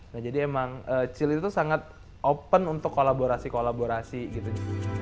nah jadi emang chill itu sangat open untuk kolaborasi kolaborasi gitu